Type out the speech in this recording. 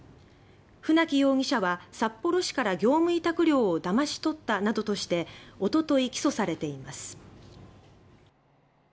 船木容疑者は札幌市から業務委託料をだまし取ったなどとしておととい起訴されています。